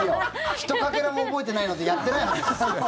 ひとかけらも覚えてないのでやってないはずです。